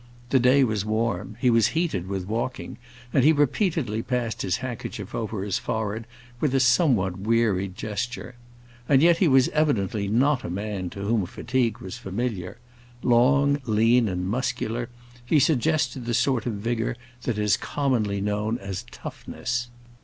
The day was warm; he was heated with walking, and he repeatedly passed his handkerchief over his forehead, with a somewhat wearied gesture. And yet he was evidently not a man to whom fatigue was familiar; long, lean, and muscular, he suggested the sort of vigor that is commonly known as "toughness."